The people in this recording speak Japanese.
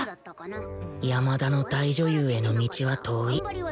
山田の大女優への道は遠い